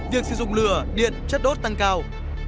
việc sử dụng lửa điện chất đốt tăng cao